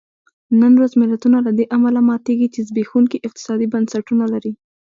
نن ورځ ملتونه له دې امله ماتېږي چې زبېښونکي اقتصادي بنسټونه لري.